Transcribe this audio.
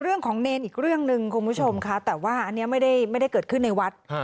เนรอีกเรื่องหนึ่งคุณผู้ชมค่ะแต่ว่าอันนี้ไม่ได้เกิดขึ้นในวัด